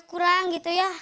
saya kurang gitu ya